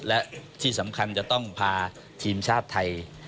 และที่สำคัญจะต้องพาทีมชาติไทย